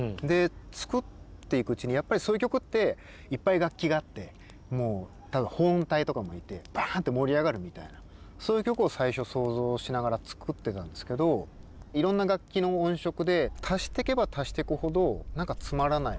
作っていくうちにやっぱりそういう曲っていっぱい楽器があってホーン隊とかもいてバーンって盛り上がるみたいなそういう曲を最初想像しながら作ってたんですけどサビのところとっても盛り上がるし楽しくなるじゃない。